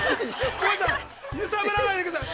◆コバさん揺さぶらないでください。